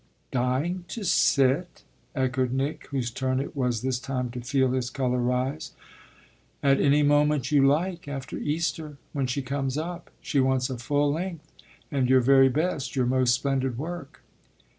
"Dying to sit?" echoed Nick, whose turn it was this time to feel his colour rise. "At any moment you like after Easter, when she comes up. She wants a full length and your very best, your most splendid work."